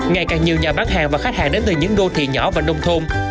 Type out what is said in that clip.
ngày càng nhiều nhà bán hàng và khách hàng đến từ những đô thị nhỏ và nông thôn